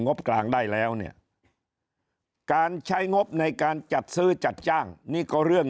งบกลางได้แล้วเนี่ยการใช้งบในการจัดซื้อจัดจ้างนี่ก็เรื่อง